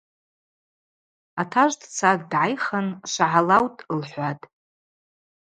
Атажв дцатӏ, дгӏайхын: – Швгӏалаутӏ, – лхӏватӏ.